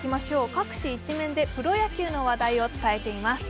各紙１面でプロ野球の話題を伝えています。